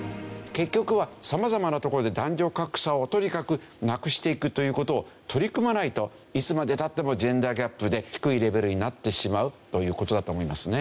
結局は様々なところで男女格差をとにかくなくしていくという事を取り組まないといつまで経ってもジェンダー・ギャップで低いレベルになってしまうという事だと思いますね。